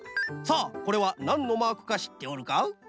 さあこれはなんのマークかしっておるか？